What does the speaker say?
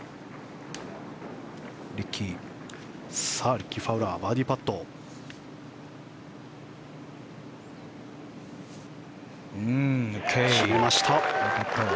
リッキー・ファウラーバーディーパット。来ました。